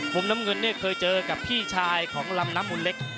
มุมน้ำเงินเนี่ยเคยเจอกับพี่ชายของลำน้ำมูลเล็ก